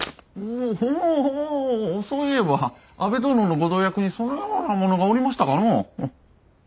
おおおおおおそういえば安部殿のご同役にそのような者がおりましたかのう。